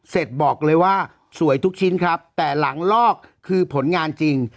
บอกเลยว่าสวยทุกชิ้นครับแต่หลังลอกคือผลงานจริง